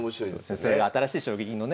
それが新しい将棋のね